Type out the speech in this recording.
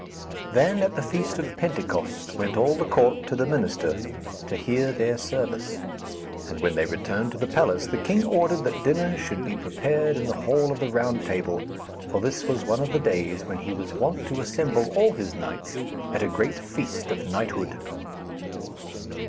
Then at the feast of Pentecost went all the court to the minster to hear their service; and when they returned to the palace the king ordered that dinner should be prepared in the hall of the Round Table, for this was one of the days when he was wont to assemble all his knights at a great feast of knighthood.